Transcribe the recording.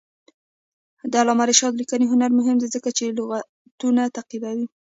د علامه رشاد لیکنی هنر مهم دی ځکه چې لغتونه تعقیبوي.